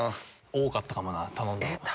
多かったかもな頼んだの。